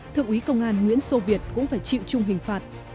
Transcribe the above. thượng úy công an nguyễn sô việt cũng phải chịu chung hình phạt